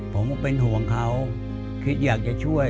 ผมก็เป็นห่วงเขาคิดอยากจะช่วย